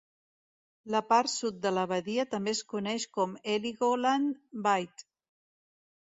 La part sud de la badia també es coneix com Heligoland Bight.